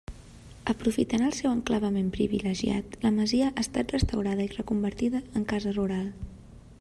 Aprofitant el seu enclavament privilegiat, la masia ha estat restaurada i reconvertida en Casa Rural.